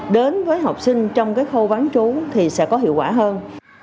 đến với học sinh trong cái khâu bán trú thì sẽ có hiệu quả hơn